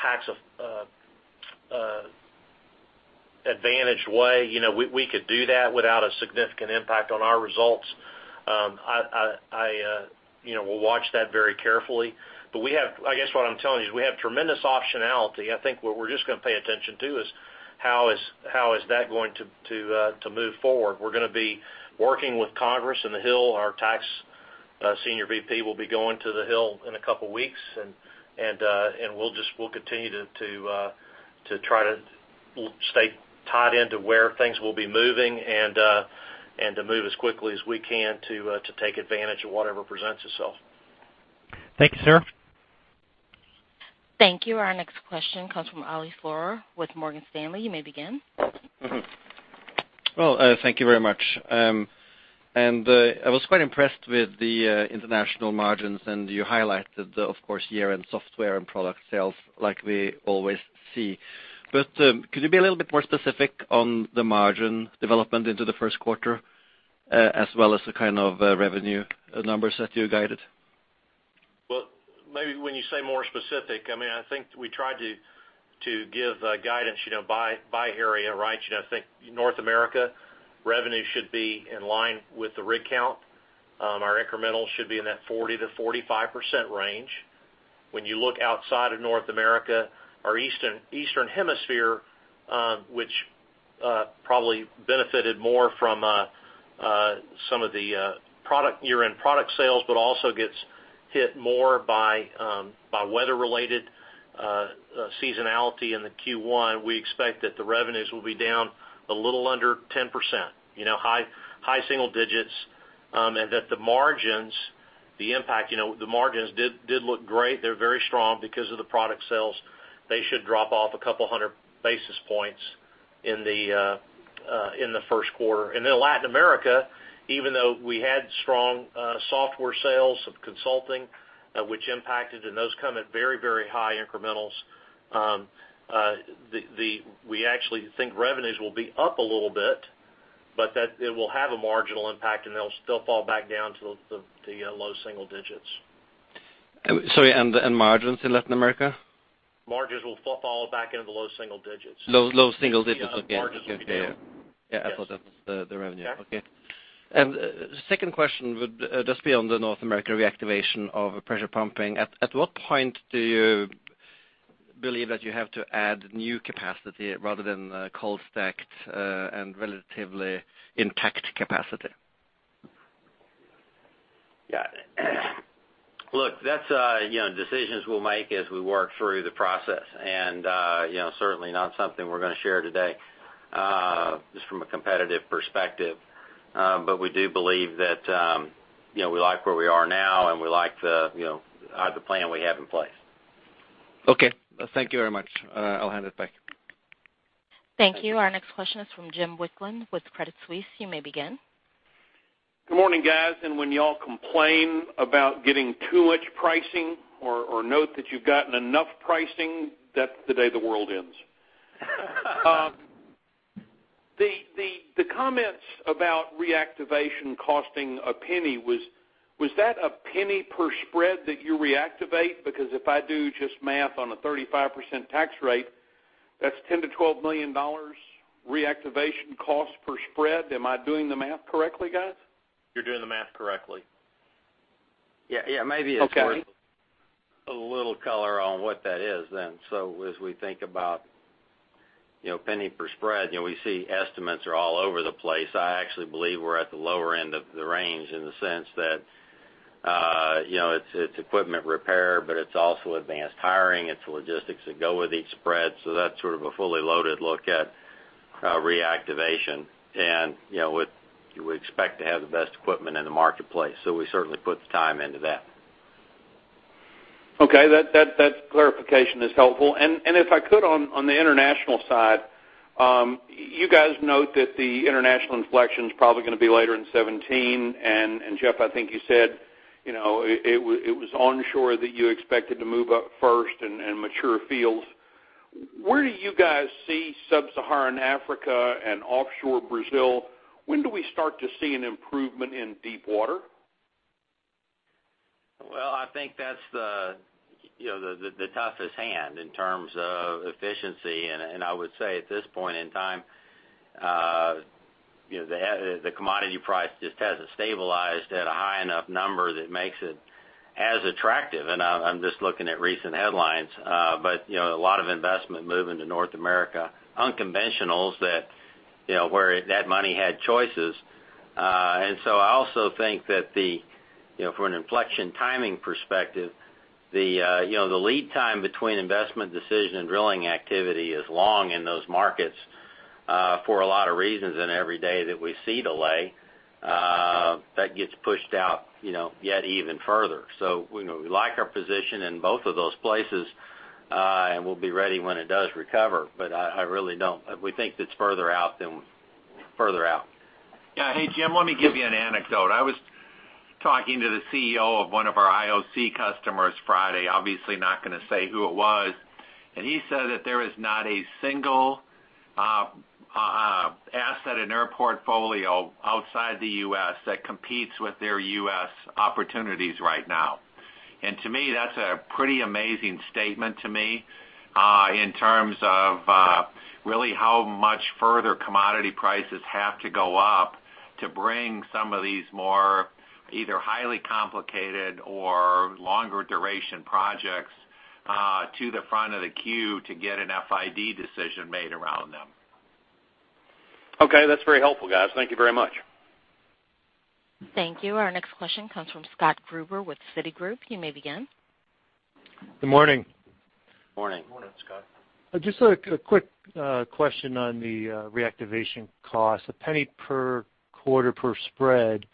tax-advantaged way, we could do that without a significant impact on our results. We'll watch that very carefully. I guess what I'm telling you is we have tremendous optionality. I think what we're just going to pay attention to is how is that going to move forward. We're going to be working with Congress and the Hill. Our tax senior VP will be going to the Hill in a couple of weeks, and we'll continue to try to stay tied into where things will be moving and to move as quickly as we can to take advantage of whatever presents itself. Thank you, sir. Thank you. Our next question comes from Ole Slorer with Morgan Stanley. You may begin. Thank you very much. I was quite impressed with the international margins and you highlighted the, of course, year-end software and product sales like we always see. Could you be a little bit more specific on the margin development into the first quarter as well as the kind of revenue numbers that you guided? Well, maybe when you say more specific, I think we try to give guidance by area, right? I think North America revenue should be in line with the rig count. Our incrementals should be in that 40%-45% range. When you look outside of North America, our Eastern hemisphere, which probably benefited more from some of the year-end product sales, but also gets hit more by weather-related seasonality in the Q1. We expect that the revenues will be down a little under 10%, high single digits, that the margins did look great. They're very strong because of the product sales. They should drop off a couple of hundred basis points in the first quarter. Latin America, even though we had strong software sales of consulting, which impacted, those come at very high incrementals. We actually think revenues will be up a little bit, but that it will have a marginal impact, and they'll still fall back down to the low single digits. Sorry, margins in Latin America? Margins will fall back into low single digits. Low single digits again. Yeah. Margins will be down. Yeah. I thought that was the revenue. Yeah. Okay. Second question would just be on the North America reactivation of pressure pumping. At what point do you believe that you have to add new capacity rather than cold stacked and relatively intact capacity? Yeah. Look, that's decisions we'll make as we work through the process and certainly not something we're going to share today, just from a competitive perspective. We do believe that we like where we are now and we like the plan we have in place. Okay. Thank you very much. I'll hand it back. Thank you. Our next question is from Jim Wicklund with Credit Suisse. You may begin. Good morning, guys. When you all complain about getting too much pricing or note that you've gotten enough pricing, that's the day the world ends. The comments about reactivation costing $0.01, was that $0.01 per spread that you reactivate? Because if I do just math on a 35% tax rate, that's $10 million-$12 million reactivation cost per spread. Am I doing the math correctly, guys? You're doing the math correctly. Yeah. Okay A little color on what that is then. As we think about penny per spread, we see estimates are all over the place. I actually believe we're at the lower end of the range in the sense that it's equipment repair, but it's also advanced hiring. It's the logistics that go with each spread. That's sort of a fully loaded look at reactivation. You would expect to have the best equipment in the marketplace, so we certainly put the time into that. Okay. That clarification is helpful. If I could, on the international side, you guys note that the international inflection's probably going to be later in 2017. Jeff, I think you said it was onshore that you expected to move up first and mature fields. Where do you guys see sub-Saharan Africa and offshore Brazil? When do we start to see an improvement in deep water? I think that's the toughest hand in terms of efficiency. I would say at this point in time, the commodity price just hasn't stabilized at a high enough number that makes it as attractive. I'm just looking at recent headlines. A lot of investment moving to North America, unconventionals where that money had choices. I also think that from an inflection timing perspective, the lead time between investment decision and drilling activity is long in those markets for a lot of reasons. Every day that we see delay, that gets pushed out yet even further. We like our position in both of those places, and we'll be ready when it does recover. We think it's further out than further out. Jim, let me give you an anecdote. I was talking to the CEO of one of our IOC customers Friday, obviously not going to say who it was, and he said that there is not a single asset in their portfolio outside the U.S. that competes with their U.S. opportunities right now. To me, that's a pretty amazing statement to me, in terms of really how much further commodity prices have to go up to bring some of these more either highly complicated or longer duration projects to the front of the queue to get an FID decision made around them. That's very helpful, guys. Thank you very much. Thank you. Our next question comes from Scott Gruber with Citigroup. You may begin. Good morning. Morning. Morning, Scott. A quick question on the reactivation cost, $0.01 per quarter per spread.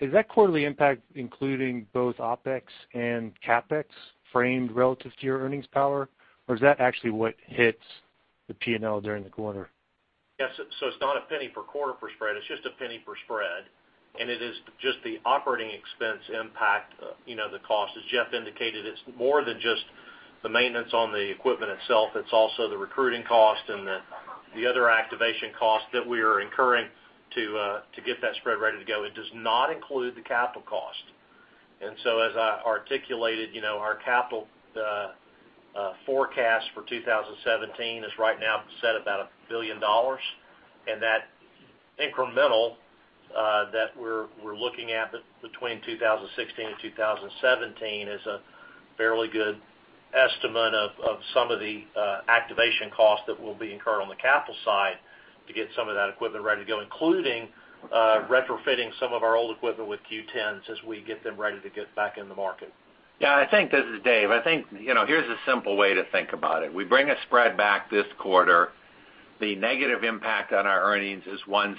Is that quarterly impact including both OpEx and CapEx framed relative to your earnings power, or is that actually what hits the P&L during the quarter? Yes. It's not $0.01 per quarter per spread, it's just $0.01 per spread, and it is just the operating expense impact the cost. As Jeff indicated, it's more than just the maintenance on the equipment itself. It's also the recruiting cost and the other activation cost that we are incurring to get that spread ready to go. It does not include the capital cost. As I articulated, our capital forecast for 2017 is right now set about $1 billion. That incremental that we're looking at between 2016 and 2017 is a fairly good estimate of some of the activation costs that will be incurred on the capital side to get some of that equipment ready to go, including retrofitting some of our old equipment with Q10s as we get them ready to get back in the market. Yeah. This is Dave. Here's a simple way to think about it. We bring a spread back this quarter. The negative impact on our earnings is $0.01.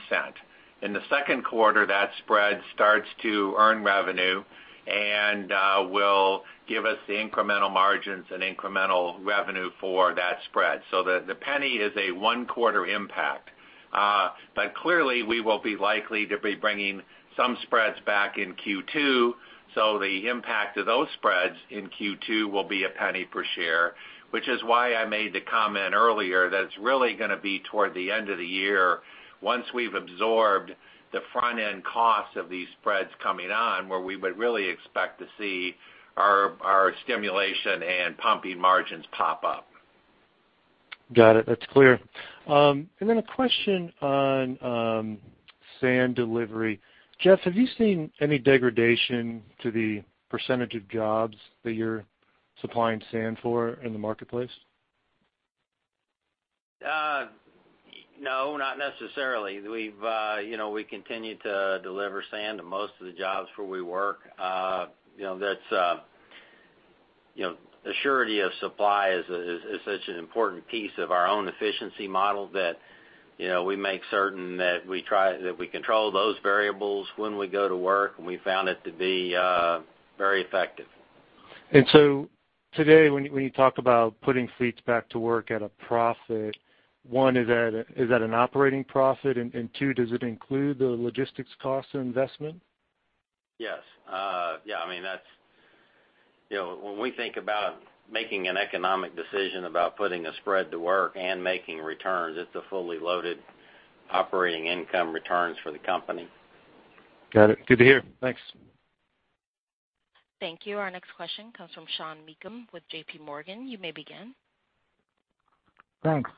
In the second quarter, that spread starts to earn revenue and will give us the incremental margins and incremental revenue for that spread. The $0.01 is a one-quarter impact. Clearly, we will be likely to be bringing some spreads back in Q2, the impact of those spreads in Q2 will be a $0.01 per share, which is why I made the comment earlier that it's really going to be toward the end of the year, once we've absorbed the front-end costs of these spreads coming on, where we would really expect to see our stimulation and pumping margins pop up. Got it. That's clear. A question on sand delivery. Jeff, have you seen any degradation to the % of jobs that you're supplying sand for in the marketplace? No, not necessarily. We continue to deliver sand to most of the jobs where we work. Assurity of supply is such an important piece of our own efficiency model that we make certain that we control those variables when we go to work, and we found it to be very effective. Today, when you talk about putting fleets back to work at a profit, one, is that an operating profit? Two, does it include the logistics cost of investment? Yes. When we think about making an economic decision about putting a spread to work and making returns, it's a fully loaded operating income returns for the company. Got it. Good to hear. Thanks. Thank you. Our next question comes from Sean Meakim with J.P. Morgan. You may begin. Thanks.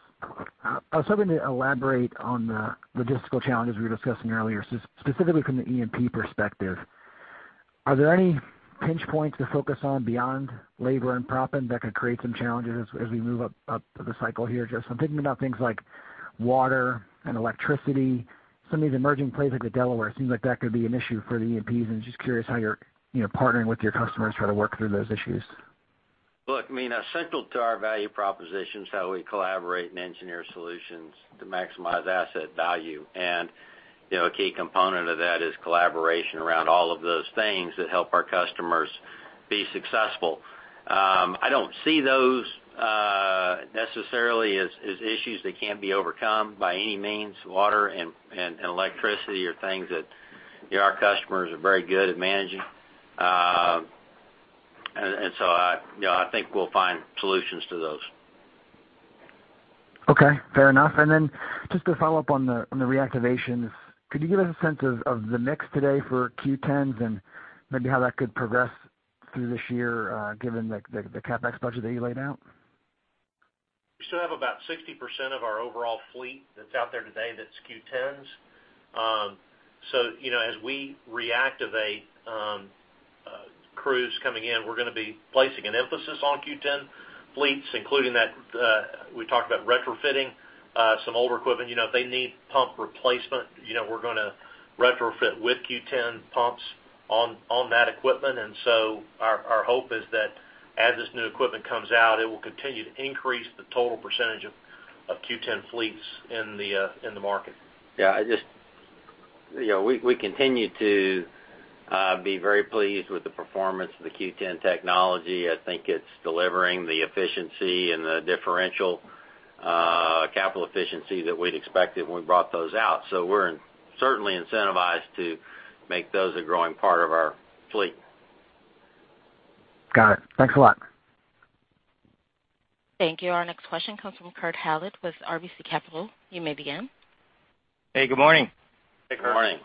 I was hoping to elaborate on the logistical challenges we were discussing earlier, specifically from the E&P perspective. Are there any pinch points to focus on beyond labor and proppant that could create some challenges as we move up the cycle here? Just I'm thinking about things like water and electricity, some of these emerging plays like the Delaware. Seems like that could be an issue for the E&Ps, and just curious how you're partnering with your customers to try to work through those issues. Look, I mean, central to our value proposition is how we collaborate and engineer solutions to maximize asset value. A key component of that is collaboration around all of those things that help our customers be successful. I don't see those necessarily as issues that can't be overcome by any means. Water and electricity are things that our customers are very good at managing. I think we'll find solutions to those. Okay, fair enough. Just to follow up on the reactivations, could you give us a sense of the mix today for Q10s and maybe how that could progress through this year, given the CapEx budget that you laid out? We still have about 60% of our overall fleet that's out there today that's Q10s. As we reactivate crews coming in, we're going to be placing an emphasis on Q10 fleets, including that we talked about retrofitting some older equipment. If they need pump replacement, we're going to retrofit with Q10 pumps on that equipment. Our hope is that as this new equipment comes out, it will continue to increase the total percentage of Q10 fleets in the market. Yeah, we continue to be very pleased with the performance of the Q10 technology. I think it's delivering the efficiency and the differential capital efficiency that we'd expected when we brought those out. We're certainly incentivized to make those a growing part of our fleet. Got it. Thanks a lot. Thank you. Our next question comes from Kurt Hallead with RBC Capital. You may begin. Hey, good morning. Hey, Kurt. Good morning.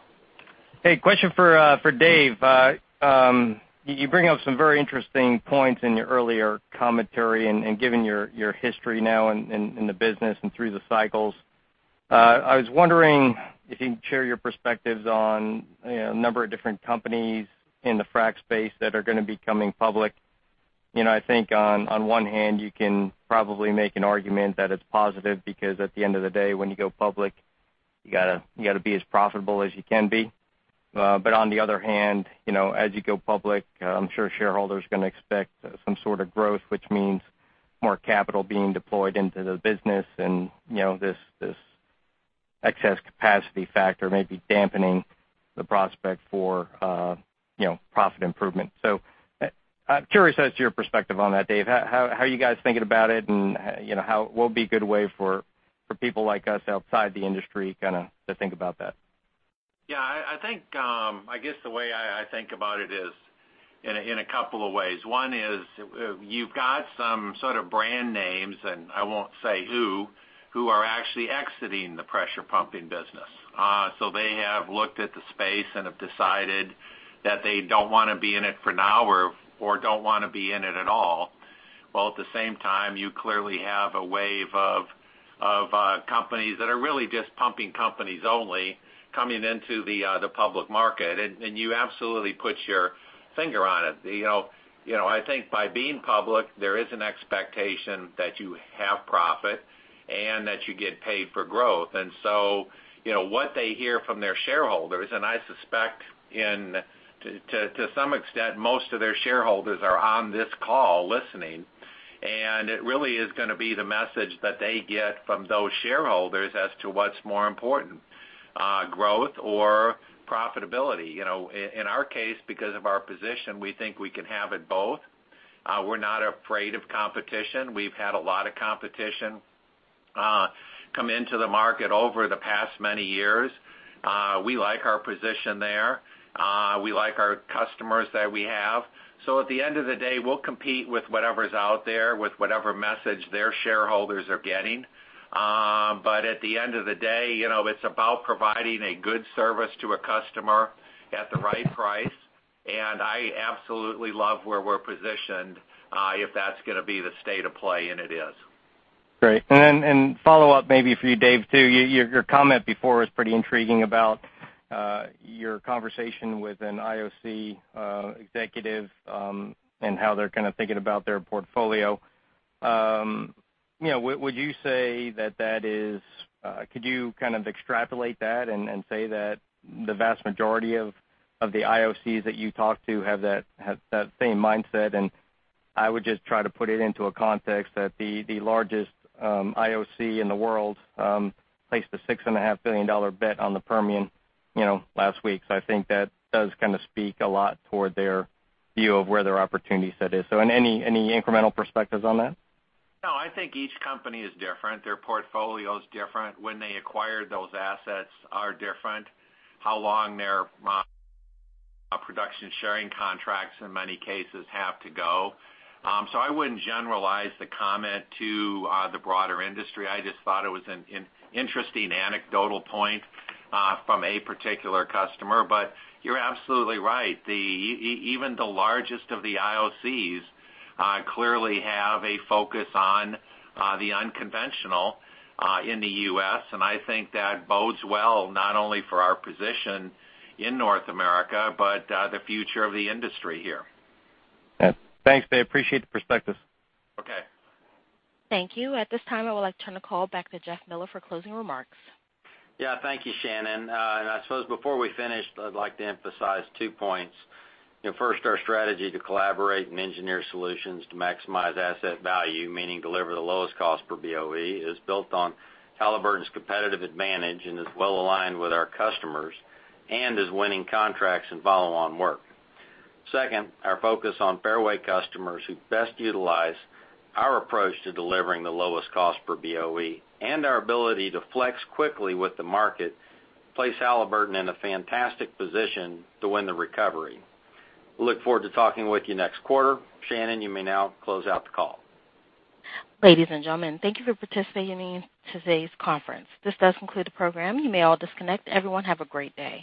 Hey, question for Dave. You bring up some very interesting points in your earlier commentary and giving your history now in the business and through the cycles. I was wondering if you can share your perspectives on a number of different companies in the frack space that are going to be coming public. I think on one hand, you can probably make an argument that it's positive because at the end of the day, when you go public, you got to be as profitable as you can be. On the other hand, as you go public, I'm sure shareholders are going to expect some sort of growth, which means more capital being deployed into the business, and this excess capacity factor may be dampening the prospect for profit improvement. I'm curious as to your perspective on that, Dave. How are you guys thinking about it, and what would be a good way for people like us outside the industry kind of to think about that? I guess the way I think about it is in a couple of ways. One is you've got some sort of brand names, and I won't say who are actually exiting the pressure pumping business. They have looked at the space and have decided that they don't want to be in it for now or don't want to be in it at all. While at the same time, you clearly have a wave of companies that are really just pumping companies only coming into the public market. You absolutely put your finger on it. I think by being public, there is an expectation that you have profit and that you get paid for growth. What they hear from their shareholders, and I suspect to some extent, most of their shareholders are on this call listening, it really is going to be the message that they get from those shareholders as to what's more important, growth or profitability. In our case, because of our position, we think we can have it both. We're not afraid of competition. We've had a lot of competition come into the market over the past many years. We like our position there. We like our customers that we have. At the end of the day, we'll compete with whatever's out there with whatever message their shareholders are getting. At the end of the day, it's about providing a good service to a customer at the right price. I absolutely love where we're positioned, if that's going to be the state of play, and it is. Great. Then, follow-up maybe for you, Dave, too. Your comment before was pretty intriguing about your conversation with an IOC executive, and how they're kind of thinking about their portfolio. Could you kind of extrapolate that and say that the vast majority of the IOCs that you talk to have that same mindset? I would just try to put it into a context that the largest IOC in the world placed a $6.5 billion bet on the Permian last week. I think that does kind of speak a lot toward their view of where their opportunity set is. Any incremental perspectives on that? No, I think each company is different. Their portfolio's different. When they acquired those assets are different, how long their production sharing contracts in many cases have to go. I wouldn't generalize the comment to the broader industry. I just thought it was an interesting anecdotal point from a particular customer. You're absolutely right. Even the largest of the IOCs clearly have a focus on the unconventional in the U.S., I think that bodes well not only for our position in North America, but the future of the industry here. Yeah. Thanks, Dave, appreciate the perspective. Okay. Thank you. At this time, I would like to turn the call back to Jeff Miller for closing remarks. Yeah. Thank you, Shannon. I suppose before we finish, I'd like to emphasize two points. First, our strategy to collaborate and engineer solutions to maximize asset value, meaning deliver the lowest cost per BOE, is built on Halliburton's competitive advantage and is well aligned with our customers and is winning contracts and follow-on work. Second, our focus on Fairway customers who best utilize our approach to delivering the lowest cost per BOE and our ability to flex quickly with the market place Halliburton in a fantastic position to win the recovery. We look forward to talking with you next quarter. Shannon, you may now close out the call. Ladies and gentlemen, thank you for participating in today's conference. This does conclude the program. You may all disconnect. Everyone have a great day.